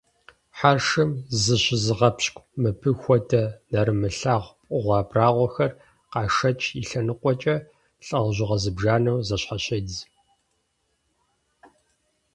Хьэршым зыщызыгъэпщкIу мыбы хуэдэ нэрымылъагъу пкъыгъуэ абрагъуэхэр, къашэч и лъэныкъуэкIэ, лIэужьыгъуэ зыбжанэу зэщхьэщедз.